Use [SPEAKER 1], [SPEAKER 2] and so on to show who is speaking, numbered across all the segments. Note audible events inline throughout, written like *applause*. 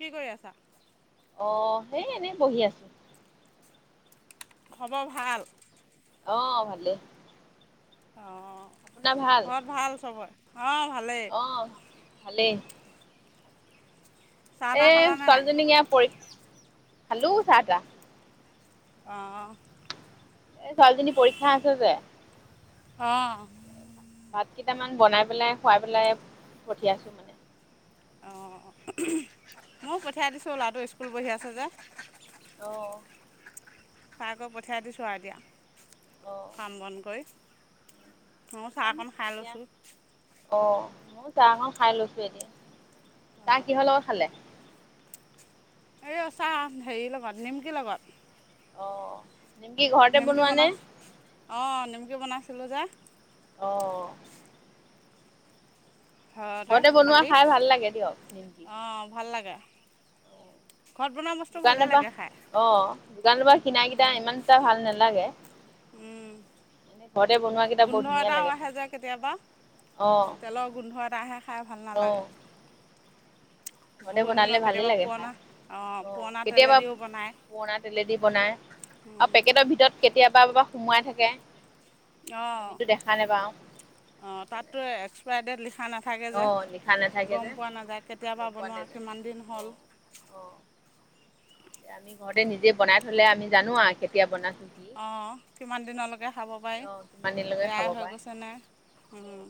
[SPEAKER 1] কি কৰি আছা
[SPEAKER 2] আহ সেই এনেই বহি আছো
[SPEAKER 1] খ'বৰ ভাল
[SPEAKER 2] অ ভালেই।
[SPEAKER 1] অ ঘৰত ভাল চবৰ?
[SPEAKER 2] আহ ভালেই।
[SPEAKER 1] চাহ
[SPEAKER 2] এ
[SPEAKER 1] তাহ খালানে নাই?
[SPEAKER 2] ছোৱালীজনীক পৰীক্ষ, খালো চাহ তাহ।
[SPEAKER 1] আহ
[SPEAKER 2] এ ছোৱালীজনী পৰীক্ষা আছে যে
[SPEAKER 1] অ
[SPEAKER 2] ভাত কেইটামান বনাই পেলাই খুৱাই পেলাই পঠিয়াইছো মানে।
[SPEAKER 1] অ ময়ো পঠিয়াই দিছোঁ ল'ৰাটো স্কুল পঢ়ি আছে যে।
[SPEAKER 2] আহ
[SPEAKER 1] তাই আকৌ পঠিয়াই দিছোঁ আৰু
[SPEAKER 2] অ'।
[SPEAKER 1] এতিয়া কাম বন কৰি। ময়ো চাহ অকণ খাই লৈছোঁ।
[SPEAKER 2] অ মই চাহকন খাই লৈছোঁ। এতিয়া চাহ কিহৰ লগত খালে?
[SPEAKER 1] এই চাহ হেৰিৰ লগত নিমকিৰ লগত।
[SPEAKER 2] অ নিমকি ঘৰতে
[SPEAKER 1] নিমকি
[SPEAKER 2] বনোৱা নে?
[SPEAKER 1] বনাই অ নিমকি বনাইছিলোঁ যে।
[SPEAKER 2] অ ঘৰতে বনোৱা খাই ভাল লাগে দিয়ক নিমকি।
[SPEAKER 1] অঁ ভাল লাগে ঘৰত বনোৱা বস্তু
[SPEAKER 2] দোকান
[SPEAKER 1] ভালেই
[SPEAKER 2] বা
[SPEAKER 1] লাগে খাই।
[SPEAKER 2] অ দোকান কিনা কেইটা ইমানটা ভাল নালাগে। এনে ঘৰতে বনোৱা কেইটা বৰ
[SPEAKER 1] গোন্ধ
[SPEAKER 2] ধুনীয়া
[SPEAKER 1] এটাও
[SPEAKER 2] লাগে খাই
[SPEAKER 1] আহে যে কেতিয়াবা।
[SPEAKER 2] অ'
[SPEAKER 1] তেলৰ গোন্ধ এটা আহে খাই ভাল নালাগে।
[SPEAKER 2] অ' ঘৰতে
[SPEAKER 1] বহু
[SPEAKER 2] বনালে
[SPEAKER 1] দিনৰ
[SPEAKER 2] ভালেই
[SPEAKER 1] কেতিয়াবা
[SPEAKER 2] লাগে খাই
[SPEAKER 1] পুৰণা অ পুৰণা তেলে দিও বনায়।
[SPEAKER 2] পুৰণা তেলেদি বনাই আও পেকেটৰ ভিতৰত কেতিয়াবা সোমোৱাই থাকে।
[SPEAKER 1] অ
[SPEAKER 2] আমিতো দেখা নাপাওঁ
[SPEAKER 1] অ তাত এস্কপাইডেত লিখ- খা নাথাকে যে
[SPEAKER 2] অ' লিখা নাথাকে
[SPEAKER 1] গম
[SPEAKER 2] যে
[SPEAKER 1] পোৱা নাযায় কেতিয়াবা
[SPEAKER 2] গম পোৱা
[SPEAKER 1] বনোৱা
[SPEAKER 2] নাযায়
[SPEAKER 1] কিমান দিন হ'ল।
[SPEAKER 2] অ'
[SPEAKER 1] *inaudible*
[SPEAKER 2] অ' আমি ঘৰতে নিজে বনাই থলে আমি জানো আৰু কেতিয়া বনা।
[SPEAKER 1] অ কিমান দিনলৈকে খাব পাৰি।
[SPEAKER 2] অ' কিমান দিনলৈকে
[SPEAKER 1] বেয়া
[SPEAKER 2] খাব
[SPEAKER 1] হৈ
[SPEAKER 2] পাৰে
[SPEAKER 1] গৈছে নে। উম
[SPEAKER 2] অ'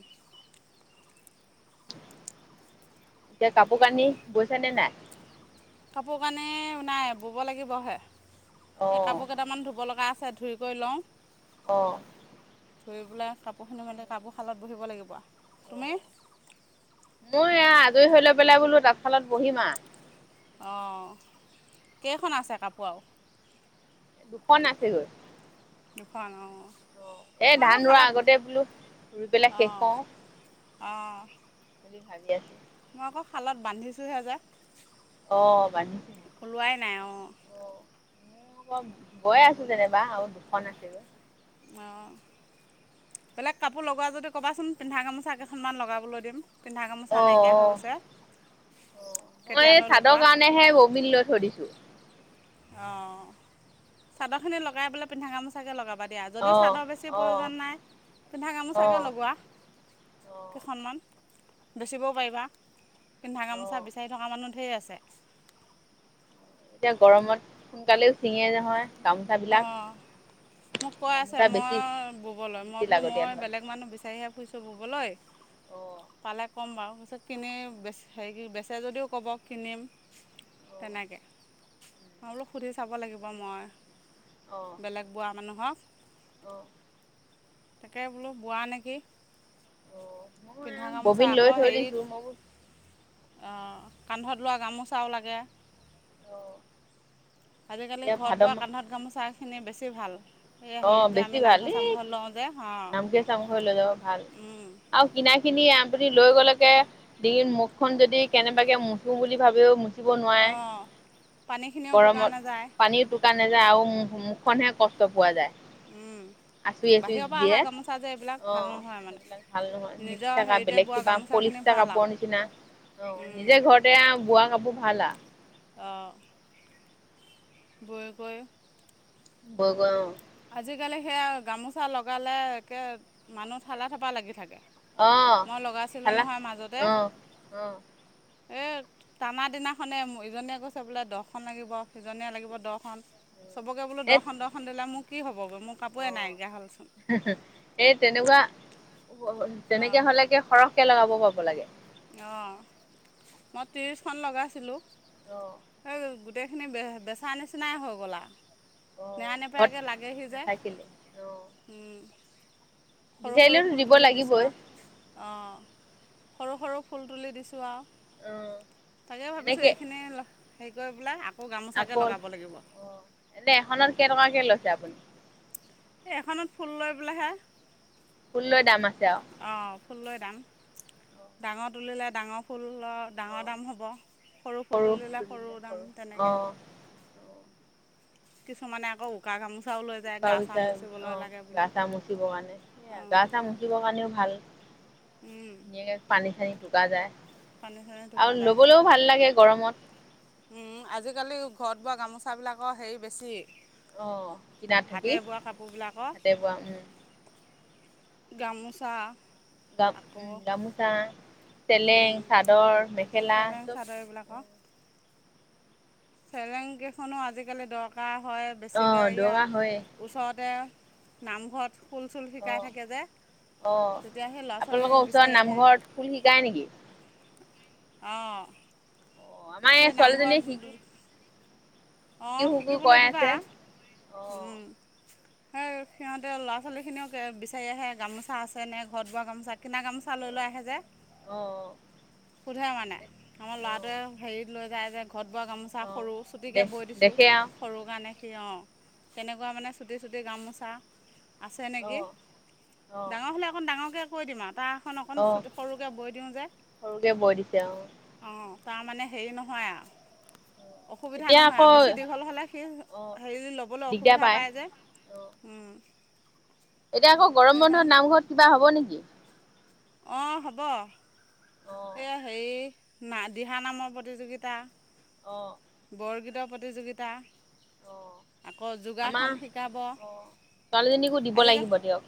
[SPEAKER 2] এতিয়া কাপোৰ কানি বৈছে নে নাই?
[SPEAKER 1] কাপোৰ কানি নাই বব লাগিবহে এই
[SPEAKER 2] অ'
[SPEAKER 1] কাপোৰ কেইটামান ধুব লগা আছ- চা ধুৰিকৈ লওঁ।
[SPEAKER 2] অ
[SPEAKER 1] ধুই পেলাই কাপোৰখিনি মেলি কাপোৰ শালত বহিব লাগিব আ।
[SPEAKER 2] অ মই এয়া আজৰি হৈ ল পেলাই বোলো তাঁতশালত বহিম আ।
[SPEAKER 1] অ কেইখন আছে কাপোৰ আও।
[SPEAKER 2] দুখন আছে গৈ।
[SPEAKER 1] দুখন অহ
[SPEAKER 2] এই ধান ৰোৱাৰ আগতে বোলো ৰুই পেলাই শেষ কওঁ।
[SPEAKER 1] অ
[SPEAKER 2] বুলি ভাবি আছো।
[SPEAKER 1] মই আকৌ শালত বান্ধিছোঁহে যে।
[SPEAKER 2] অ বান্ধিছে
[SPEAKER 1] ওলোৱাই নাই অ
[SPEAKER 2] অ বয় আছো যেনিবা আৰু দুখন আছে গৈ।
[SPEAKER 1] অ বেলেগ কাপোৰ লগোৱা যদি ক'বাচোন পিন্ধা গামোচা কেইখনমান লগাবলৈ দিম। পিন্ধা
[SPEAKER 2] অ
[SPEAKER 1] গামোচা নাইকিয়া হৈ গৈছে।
[SPEAKER 2] মই
[SPEAKER 1] কেতিয়ালৈ
[SPEAKER 2] চাদৰ
[SPEAKER 1] লগোৱা
[SPEAKER 2] কাৰণেহে ববিন লৈ থৈ দিছো।
[SPEAKER 1] অ চাদৰখিনি লগাই বোলে পিন্ধা গামোচাকৈ লগাবা দিয়া যদি
[SPEAKER 2] অ
[SPEAKER 1] চাদৰ বেছি
[SPEAKER 2] অ
[SPEAKER 1] প্ৰয়োজন নাই পিন্ধা
[SPEAKER 2] অ
[SPEAKER 1] গামোচাকৈ লগোৱা।
[SPEAKER 2] অ
[SPEAKER 1] কেইখনমান বেচিবও পাৰিবা। পিন্ধা
[SPEAKER 2] অ
[SPEAKER 1] গামোচা বিচাৰি থকা মানুহ ঢেৰ আছ- চে
[SPEAKER 2] এতিয়া গৰমত সোনকালেও ছিঙে নহয় গামোচা বিলাক।
[SPEAKER 1] অঁ মোক কৈ আছে মই ববলৈ মই
[SPEAKER 2] বেছি
[SPEAKER 1] বোলো
[SPEAKER 2] লাগতিয়াল
[SPEAKER 1] মই
[SPEAKER 2] হয়
[SPEAKER 1] বেলেগ মানুহ বিচাৰিহে ফুছো ববলৈ
[SPEAKER 2] অ
[SPEAKER 1] পালে ক'ম বাৰু তাৰপিছত কিনি বে হেৰি বেচে যদিও ক'ব কিনিম তেনেকৈ অঁ বোলো সুধি চাব লাগিব মই।
[SPEAKER 2] অ
[SPEAKER 1] বেলেগ বোৱা মানুহক।
[SPEAKER 2] অ
[SPEAKER 1] তাকে বোলো বোৱা নেকি?
[SPEAKER 2] অ', মই
[SPEAKER 1] পিন্ধা গামোচা
[SPEAKER 2] ববিন লৈ
[SPEAKER 1] আকৌ
[SPEAKER 2] থৈ
[SPEAKER 1] হেৰিত
[SPEAKER 2] দিছো মই।
[SPEAKER 1] কান্ধত লোৱা গামোচাও লাগে।
[SPEAKER 2] অ',
[SPEAKER 1] আজিকালি
[SPEAKER 2] এতিয়া ভাদ
[SPEAKER 1] ঘৰত বোৱা
[SPEAKER 2] মাহ
[SPEAKER 1] কান্ধত গামোচাখিনি বেছি ভাল এই
[SPEAKER 2] অ
[SPEAKER 1] হেৰিত যে
[SPEAKER 2] বেছি
[SPEAKER 1] আমি
[SPEAKER 2] ভাল
[SPEAKER 1] নামঘৰ
[SPEAKER 2] এ
[SPEAKER 1] চামঘৰ
[SPEAKER 2] কি
[SPEAKER 1] লওঁ যে অঁ
[SPEAKER 2] নামঘৰে চামঘৰে লৈ যাব ভাল আৰু কিনাই কিনি আপুনি লৈ গ'লেকে ডিঙিত মুখ খন যদি কেনেবাকে মুচো বুলি ভাবিও মুচ ব নোৱাৰে
[SPEAKER 1] অঁ পানীখিনিও
[SPEAKER 2] গৰমত
[SPEAKER 1] টোকানে যায়
[SPEAKER 2] পানী তুকিব সূতা নাযায় আৰু মুখখনহে কষ্ট পোৱা যায়
[SPEAKER 1] উম
[SPEAKER 2] আচুৰি আচুই দিয়ে। অ
[SPEAKER 1] ভাল নহয় মানে
[SPEAKER 2] সেইবিলাক ভাল নহয় মিক্স
[SPEAKER 1] নিজৰ
[SPEAKER 2] থকা
[SPEAKER 1] হেৰিতে
[SPEAKER 2] বেলেগ
[SPEAKER 1] বোৱা
[SPEAKER 2] কিবা
[SPEAKER 1] গামোচাখিনি
[SPEAKER 2] পলিষ্টা
[SPEAKER 1] ভাল
[SPEAKER 2] কাপোৰ নিচিনা। অ
[SPEAKER 1] আৰু
[SPEAKER 2] নিজে ঘৰতে বোৱা কাপোৰ ভাল আৰু
[SPEAKER 1] অহ। বৈ গৈ
[SPEAKER 2] ব গৈ অ
[SPEAKER 1] আজিকালি সেয়া গামোচা লগালে একে মানুহ ঠালা থপা লাগি থাকে।
[SPEAKER 2] অহ
[SPEAKER 1] মই লগাইছিলোঁ
[SPEAKER 2] ঠেলা
[SPEAKER 1] নহয় মাজতে
[SPEAKER 2] অহ অহ।
[SPEAKER 1] এই টানা দিনাখনেই ইজনীয়ে কৈছে বোলে দহখন লাগিব সিজনীয়ে লাগিব দহখন চবকে বোলো
[SPEAKER 2] এই
[SPEAKER 1] দহখন দহখন দিলে মোৰ কি হ'বগৈ মোৰ
[SPEAKER 2] অ
[SPEAKER 1] কাপোৰে নাইকিয়া হ'লচোন
[SPEAKER 2] এই তেনেকুৱা তেনেকে হলে কি সৰহকে লগাব পাব লাগে।
[SPEAKER 1] অ মই তিছখন লগাইছিলোঁ
[SPEAKER 2] অ',
[SPEAKER 1] সেই গোটেইখিনি বে বেচা নিচিনাই হৈ গ'ল আও। নেৰা
[SPEAKER 2] অ', ঘৰত
[SPEAKER 1] নেপেৰা লাগেহি যে
[SPEAKER 2] নাথাকিলে অ',
[SPEAKER 1] সৰু সৰু
[SPEAKER 2] বিচাৰিলেতো
[SPEAKER 1] ফুল
[SPEAKER 2] দিব
[SPEAKER 1] তুলি দিছো
[SPEAKER 2] লাগিবই।
[SPEAKER 1] আৰু অহ সৰু সৰু ফুল তুলি দিছোঁ আৰু
[SPEAKER 2] অ',
[SPEAKER 1] তাকে ভাবিছোঁ।
[SPEAKER 2] এনেকে
[SPEAKER 1] এইখিনি হেৰি কৰি পেলাই গামোচাকে
[SPEAKER 2] আকৌ অ
[SPEAKER 1] লগাব লাগিব
[SPEAKER 2] এনে এখত কেইটকাকে লৈছে আপুনি?
[SPEAKER 1] এই এখনত ফুল লৈ পেলাইহে
[SPEAKER 2] ফুল লৈ ডামা আ
[SPEAKER 1] অ ফুল লৈ যাম ডাঙৰ তুলিলে ডাঙৰ ফুল ফুলৰ ডাঙৰ
[SPEAKER 2] অ',
[SPEAKER 1] দাম হ'ব সৰু ফুল তুলিলে সৰু দাম তেনেকে। কিছুমানে আকৌ উকা গামোচা
[SPEAKER 2] উকা উইচা অ গা চা মুচিবৰ কাৰণে সেয়া
[SPEAKER 1] অঁ
[SPEAKER 2] গা চা মুচিবৰ কাৰণেও ভাল। ধুনীয়াকে পানী চানি টুকা যায়
[SPEAKER 1] পানী চানী
[SPEAKER 2] আৰু লবলৈও ভাল লাগে গৰমত
[SPEAKER 1] উম আজিকালি ঘৰত বোৱা গামোচা বিলাকৰ হেৰি বেছি
[SPEAKER 2] আহ কিনাত
[SPEAKER 1] হাতে
[SPEAKER 2] থাকি
[SPEAKER 1] বোৱা কাপোৰবিলাকৰ
[SPEAKER 2] হাতে বোৱা উম
[SPEAKER 1] গামোচা আকৌ
[SPEAKER 2] উম গামোচা, চেলেং চাদৰ, মেখেলা চব
[SPEAKER 1] তাক চেলেংকেইখনো আজি কালি দৰকাৰ হয়
[SPEAKER 2] অ
[SPEAKER 1] বেছিকৈ
[SPEAKER 2] দৰকাৰ হয়ে
[SPEAKER 1] ইয়াৰ ওচৰতে নামঘৰত খোল চুল
[SPEAKER 2] অ
[SPEAKER 1] শিকাই থাকে যে
[SPEAKER 2] অ
[SPEAKER 1] তেতিয়া সেই ল'ৰা ছোৱালী
[SPEAKER 2] আপোনালোকৰ ওচৰত
[SPEAKER 1] বিচাৰি
[SPEAKER 2] নামঘৰত ফুল শিকায় নেকি?
[SPEAKER 1] অ
[SPEAKER 2] অ আমাৰ ছোৱালী জনি শিকি
[SPEAKER 1] অ
[SPEAKER 2] শিকো
[SPEAKER 1] শিকিবলৈ
[SPEAKER 2] কৈ
[SPEAKER 1] দিবা
[SPEAKER 2] আছে
[SPEAKER 1] সেই।
[SPEAKER 2] অ
[SPEAKER 1] সিহঁতে ল'ৰা ছোৱালীখিনিও বিচাৰি আহে গামোচা আছেনে ঘৰত বোৱা গামোচা কিনা গামোচা লৈ লৈ আহে যে
[SPEAKER 2] অ অ
[SPEAKER 1] সোধে মানে আমাৰ ল'ৰাটোৱেই হেৰিত লৈ যায় যে ঘৰত বোৱা গামোচা
[SPEAKER 2] অ
[SPEAKER 1] সৰু
[SPEAKER 2] দে
[SPEAKER 1] চুটিকৈ বৈ দিছোঁ
[SPEAKER 2] দেখে আৰু
[SPEAKER 1] সৰু কাৰণে। সেই অ তেনেকুৱা মানে চুটি চুটি গামোচা। আছে
[SPEAKER 2] অ
[SPEAKER 1] নেকি
[SPEAKER 2] অ
[SPEAKER 1] ডাঙৰ হ'লে অকণ ডাঙৰকে কৈ দিম আৰু তাৰ। এখন অকণ
[SPEAKER 2] অ
[SPEAKER 1] চু সৰুকৈ বৈ দিওঁ যে।
[SPEAKER 2] সৰুকে বৈ দিছে অ
[SPEAKER 1] অঁ তাৰমানে হেৰি নহয় আৰু। সুবিধা
[SPEAKER 2] এতিয়া
[SPEAKER 1] নহয়
[SPEAKER 2] আকৌ
[SPEAKER 1] আৰু বেছি দীঘল হ'লে সি
[SPEAKER 2] অ
[SPEAKER 1] হেৰি ল'বলৈ অসুবিধা পায় যে।
[SPEAKER 2] অ
[SPEAKER 1] উম
[SPEAKER 2] এতিয়া আকৌ গৰম বন্ধত নামঘৰত কিবা হব নেকি?
[SPEAKER 1] অ হ'ব।
[SPEAKER 2] অ
[SPEAKER 1] এই হেৰি না দিহা নামৰ প্ৰতিযোগিতা।
[SPEAKER 2] অ
[SPEAKER 1] বৰগীত প্ৰতিযোগিতা।
[SPEAKER 2] অ
[SPEAKER 1] আকৌ
[SPEAKER 2] আমাৰ
[SPEAKER 1] যোগাসন শিকাব।
[SPEAKER 2] অ ছোৱালীজনীকো দিব লাগিব দিয়ক।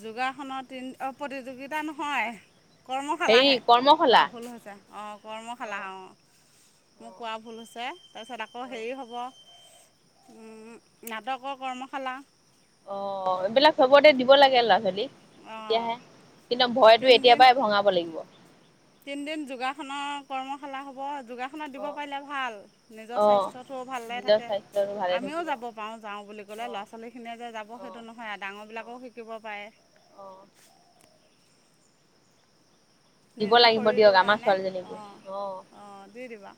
[SPEAKER 1] যোগাসনৰত অ প্ৰতিযোগিতা নহয়।
[SPEAKER 2] হেৰি
[SPEAKER 1] কৰ্মশালাহে, কোৱা
[SPEAKER 2] কৰ্মশালা
[SPEAKER 1] ভুল হৈছে, অ, কৰ্মশালা অ মোৰ
[SPEAKER 2] অ
[SPEAKER 1] কোৱা ভুল হৈছে, তাৰপিছত আকৌ হেৰি হ'ব নাটকৰ কৰ্মশালা।
[SPEAKER 2] অ এইবিলাক সবতে দিব লাগে ল'ৰা ছোৱালীক।
[SPEAKER 1] অঁ
[SPEAKER 2] তেতিয়াহে, কিন্তু ভয়টো এতিয়াৰ পৰাই ভঙাব লাগিব।
[SPEAKER 1] তিনদিন যোগাসনৰ কৰ্মশালা হ'ব যোগাসনত দিব
[SPEAKER 2] অ
[SPEAKER 1] পাৰিলে ভাল নিজৰ
[SPEAKER 2] অ
[SPEAKER 1] স্বাস্থ্যটোও ভাল লাগ
[SPEAKER 2] নিজৰ
[SPEAKER 1] থাকে
[SPEAKER 2] স্বাস্থ্যটো ভালে
[SPEAKER 1] আমিও
[SPEAKER 2] থাকিব অ
[SPEAKER 1] যাব পাৰোঁ যাওঁ বুলি ক'লে ল'ৰা ছোৱালীখিনিয়ে যে যাব সেইটো নহয়, আৰু
[SPEAKER 2] অ
[SPEAKER 1] ডাঙৰবিলাকো শিকিব পাৰে।
[SPEAKER 2] অ
[SPEAKER 1] *unintelligible*
[SPEAKER 2] দিব
[SPEAKER 1] নিজৰ
[SPEAKER 2] লাগিব দিয়ক
[SPEAKER 1] শৰীৰটোৰ
[SPEAKER 2] আমাৰ
[SPEAKER 1] কাৰণে
[SPEAKER 2] ছোৱালীজনীকো
[SPEAKER 1] অঁ অঁ দি দিবা।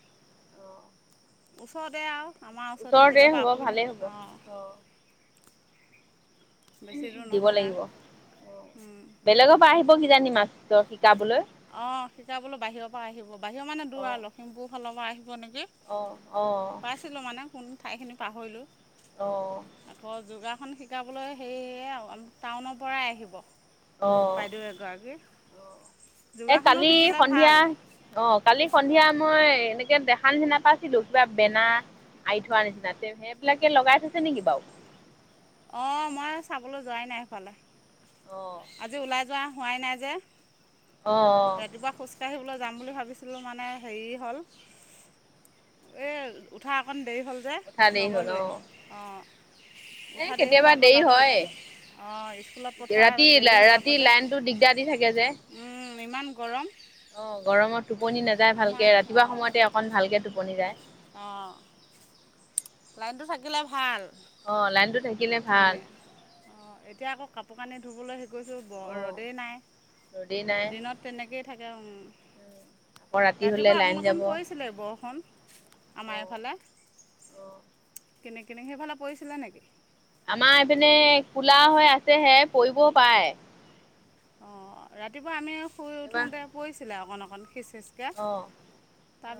[SPEAKER 1] ওচৰতে আৰু আমাৰ ওচৰতে কেতিয়াবা
[SPEAKER 2] হ'ব
[SPEAKER 1] অসুবিধা
[SPEAKER 2] ভালেই হ'ব
[SPEAKER 1] অঁ। বেছি দূৰ
[SPEAKER 2] দিব
[SPEAKER 1] নহয়
[SPEAKER 2] লাগিব, অ,
[SPEAKER 1] আৰু
[SPEAKER 2] বেলেগৰ পৰা আহিব কিজানি মাষ্টৰ শিকাবলৈ
[SPEAKER 1] অ সিখা বোলো বাহিৰৰ পৰা আহিব বাহিৰৰ মানে দূৰ
[SPEAKER 2] অ
[SPEAKER 1] আৰু লখিমপুৰ ফালৰ পৰা আহিব নেকি।
[SPEAKER 2] অ অ
[SPEAKER 1] দ পাইছিলোঁ মানে কোন ঠাইখিনি পাহৰিলোঁ,
[SPEAKER 2] অ
[SPEAKER 1] আকৌ যোগাৰ শিকাবলৈ সেয় টাউনৰ পৰাই আহিব
[SPEAKER 2] অ
[SPEAKER 1] বাইদেউ এগৰাকী
[SPEAKER 2] এ
[SPEAKER 1] যোগাসনো
[SPEAKER 2] কালি
[SPEAKER 1] শিকিলে
[SPEAKER 2] সন্ধিয়া
[SPEAKER 1] ভাল
[SPEAKER 2] অ কালি সন্ধিয়া
[SPEAKER 1] অঁ
[SPEAKER 2] মই এনে। এতিয়া দেখা চিনা পাইছিলোঁ কিবা বেনাৰ। আই থোৱাৰ নিচিনা তে সেইবিলাকে লগাই থৈছে নেকি বাৰু
[SPEAKER 1] অ মই চাবলৈ যোৱাই নাই সেইফালে
[SPEAKER 2] অ
[SPEAKER 1] আজি ওলাই যোৱা খোৱাই নাই যে,
[SPEAKER 2] অ অ
[SPEAKER 1] ৰাতিপুৱা খোজকাঢ়িবলৈ। যাম বুলি ভাবিছিলোঁ মানে হেৰি হ'ল, এই উঠা অকণ দেৰি হ'ল যে
[SPEAKER 2] উঠা দেৰি হ'ল অ
[SPEAKER 1] নগলোৱে অঁ
[SPEAKER 2] এ
[SPEAKER 1] উঠা হ'লে
[SPEAKER 2] কেতিয়াবা
[SPEAKER 1] আকৌ
[SPEAKER 2] দেৰি
[SPEAKER 1] ল'ৰাটোক
[SPEAKER 2] হয়।
[SPEAKER 1] অঁ স্কুলত পঠোৱা
[SPEAKER 2] ৰাতি
[SPEAKER 1] দেৰি হৈ যাব
[SPEAKER 2] ৰাতি
[SPEAKER 1] যে।
[SPEAKER 2] লাইনটো দিগদাৰ দি থাকে যে
[SPEAKER 1] উম। ইমান গৰম।
[SPEAKER 2] অ গৰমত টোপনি নাযায়
[SPEAKER 1] আমাৰ
[SPEAKER 2] ভালকে ৰাতিপুৱা
[SPEAKER 1] অঁ
[SPEAKER 2] সময়তে অকন ভালকে টোপনি যায়
[SPEAKER 1] অঁ লাইনটো থাকিলে ভাল।
[SPEAKER 2] অ লাইন
[SPEAKER 1] ধুনীয়া অ এতিয়া আকৌ কাপোৰ কানি ধুবলৈ গৈছো,
[SPEAKER 2] অ
[SPEAKER 1] ৰ'দে নাই
[SPEAKER 2] ৰ'দেই নাই
[SPEAKER 1] দিনত তেনেকে থাকে,
[SPEAKER 2] আকৌ ৰাতি
[SPEAKER 1] উম
[SPEAKER 2] হলে
[SPEAKER 1] ৰাতিপুৱা
[SPEAKER 2] লাইন
[SPEAKER 1] অকণ
[SPEAKER 2] যাব
[SPEAKER 1] অকণ
[SPEAKER 2] অ
[SPEAKER 1] পৰিছিলে বৰষুণ। আমাৰ এইফালে।
[SPEAKER 2] অ
[SPEAKER 1] কিনি কিনি, সেইফালে পৰিছিলে নেকি?
[SPEAKER 2] আমাৰ এইপিনে কোলা হৈ আছেহে, পৰিবও পায়।
[SPEAKER 1] অ ৰাতিপুৱা আমি শুই
[SPEAKER 2] কিবা
[SPEAKER 1] উঠোতে পৰিছিলে অকন অকন সিচ কে
[SPEAKER 2] অ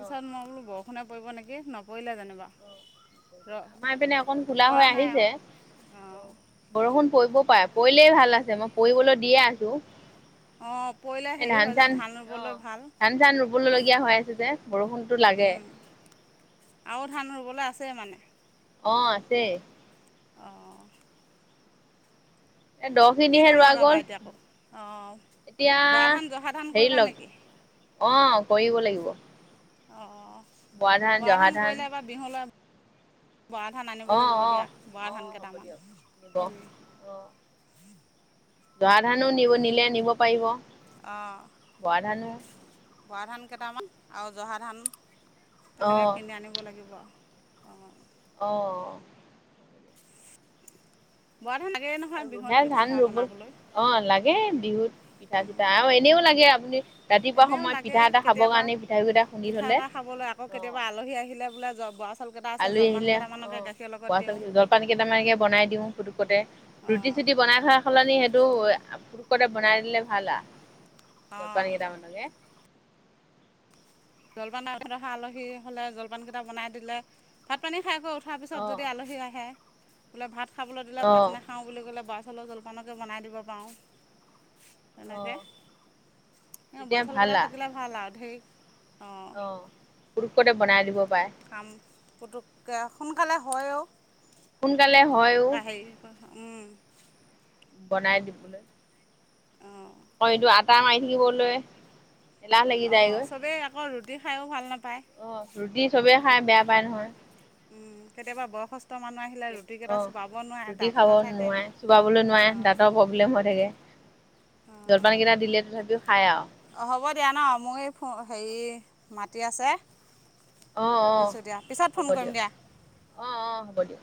[SPEAKER 2] অ অ
[SPEAKER 1] মই বোলো বৰষুণে পৰিব নেকি নপৰিলে যেনেবা।
[SPEAKER 2] আমাৰ পিনে অকন কোলা হৈ
[SPEAKER 1] পৰা নাই আৰু
[SPEAKER 2] আহিছে।
[SPEAKER 1] অঁ
[SPEAKER 2] বৰষুণ পৰিব পাৰে। পৰিলেই ভাল আছে। মই পৰিবলৈ দিয়ে আছোঁ।
[SPEAKER 1] অঁ পৰিলে
[SPEAKER 2] এ
[SPEAKER 1] হেৰি হয় যে
[SPEAKER 2] ধান-চান
[SPEAKER 1] ধান
[SPEAKER 2] অ,
[SPEAKER 1] ৰুবলৈ ভাল
[SPEAKER 2] ধান চান ৰুবলৈ লগীয়া হৈ আছে যে। বৰষুণতো লাগ গে
[SPEAKER 1] উম, আৰু ধান ৰুবলৈ আছেই মানে?
[SPEAKER 2] অ, আছেই।
[SPEAKER 1] অঁ।
[SPEAKER 2] এ
[SPEAKER 1] কি
[SPEAKER 2] দহখিনিহে
[SPEAKER 1] ধান
[SPEAKER 2] ৰোৱা গ'ল
[SPEAKER 1] লগাবা এতিয়া আাকৌ? অঁ
[SPEAKER 2] এতিয়া
[SPEAKER 1] বৰা ধান, জহা ধান
[SPEAKER 2] হেৰি
[SPEAKER 1] কৰিবা
[SPEAKER 2] লগ
[SPEAKER 1] নেকি?
[SPEAKER 2] অ, কৰিব লাগিব।
[SPEAKER 1] অ।
[SPEAKER 2] বৰা ধান, জহা ধান
[SPEAKER 1] বৰা ধান আনিব
[SPEAKER 2] অ',
[SPEAKER 1] লাগিব
[SPEAKER 2] অ',
[SPEAKER 1] দিয়া। বৰা ধান
[SPEAKER 2] অ', হ'ব
[SPEAKER 1] কেইটামান
[SPEAKER 2] দিয়ক নিব অ'।
[SPEAKER 1] কিনি। *inaudible*
[SPEAKER 2] জহা ধানো নিব নিলে নিব পাৰিব।
[SPEAKER 1] অঁ
[SPEAKER 2] বৰা ধানো।
[SPEAKER 1] বৰা ধান কেইটামান আৰু জহা ধান তেনেকে
[SPEAKER 2] অ',
[SPEAKER 1] কিনি আনিব লাগিব আও। অ।
[SPEAKER 2] অ।
[SPEAKER 1] বৰা ধান লাগেই নহয় বিহুত
[SPEAKER 2] ৰোহে
[SPEAKER 1] পিঠা
[SPEAKER 2] ধান
[SPEAKER 1] চিঠা
[SPEAKER 2] ৰুবই,
[SPEAKER 1] বনাবলৈ
[SPEAKER 2] অ লাগেই বিহুত পিঠা-চিঠা
[SPEAKER 1] উম,
[SPEAKER 2] আৰু এনেও লাগে আপুনি ৰাতিপুৱা
[SPEAKER 1] এনেও
[SPEAKER 2] সময়ত
[SPEAKER 1] লাগে
[SPEAKER 2] পিঠা এটা খাব
[SPEAKER 1] কেতিয়াবা
[SPEAKER 2] কাৰণে পিঠা গুৰি
[SPEAKER 1] পিঠা এটা খাবলৈ, আকৌ কেতিয়াবা আলহী আহিলে বোলে জ বৰাচাউল কেইটা আছে, জলপান কেইটামানকে গাখীৰ ল
[SPEAKER 2] বৰাচাউলখিনি জলপান কেইটামানকে বনাই দিওঁ ফুটুকতে।
[SPEAKER 1] অঁ
[SPEAKER 2] ৰুটি-চুটি বনাই থকা সলনি সেইট পুতুক কণে বনাই দিলে ভাল আ জলপান
[SPEAKER 1] অঁ
[SPEAKER 2] কেইটামানকে।
[SPEAKER 1] জলপান আগত আলহী হলে জলপান কেইটা বনাই দিলে ভাত পানী খাই গৈ উঠাৰ পিছত
[SPEAKER 2] অ',
[SPEAKER 1] যদি আলহী আহে, বোলে ভাত খাবলৈ দিলে ভাত
[SPEAKER 2] অ',
[SPEAKER 1] নাখাওঁ বুলি ক'লে, বৰা হলেওঁ জলপানকে বনাই দিব পাৰোঁ। তেনেকে।
[SPEAKER 2] অ',
[SPEAKER 1] এ
[SPEAKER 2] তেতিয়া
[SPEAKER 1] বৰাচাউল
[SPEAKER 2] ভাল
[SPEAKER 1] কেইটা
[SPEAKER 2] আ।
[SPEAKER 1] থাকিলে ভাল আৰু ধেই
[SPEAKER 2] অ পুৰুকতে বনাই দিব পাৰে,
[SPEAKER 1] কাম পুতুককে সোনকালে হয় অ।
[SPEAKER 2] সোনকালে হয়ো।
[SPEAKER 1] উম।
[SPEAKER 2] বনাই দিবলৈ
[SPEAKER 1] অঁ
[SPEAKER 2] অ এইটো আটা মাৰি থাকিবলৈ এলাহ লাগি
[SPEAKER 1] অ,
[SPEAKER 2] যায়গৈ।
[SPEAKER 1] চবে আকৌ ৰুটি খাইও ভাল নাপায়।
[SPEAKER 2] অ ৰুটি চবে খাই বেয়া পাই নহয়।
[SPEAKER 1] উম, কেতিয়াবা বয়সস্থ মানুহ আহিলে
[SPEAKER 2] অ,
[SPEAKER 1] ৰুটিকেইটা চোবাব নোৱাৰে
[SPEAKER 2] ৰুটি
[SPEAKER 1] দাঁত
[SPEAKER 2] খাব
[SPEAKER 1] নাথাকে
[SPEAKER 2] নোৱাৰে। চুবাবলৈ নোৱাৰে,
[SPEAKER 1] অঁ
[SPEAKER 2] দাঁতৰ প্ৰব্লেম হৈ থাকে। জলপান কেইটা দিলে তথাপিও খায় আৰু,
[SPEAKER 1] অ, হ'ব দিয়া ন? মোৰ এই ফো হেৰি মাতি আছে
[SPEAKER 2] অ', অ',
[SPEAKER 1] ৰাখিছোঁ দিয়া। পিছত
[SPEAKER 2] হ'ব
[SPEAKER 1] ফোন কৰিম
[SPEAKER 2] দিয়ক,
[SPEAKER 1] দিয়া।
[SPEAKER 2] অ', অ', হ'ব দিয়ক।